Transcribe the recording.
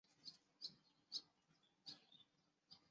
鲁比永河畔圣热尔韦人口变化图示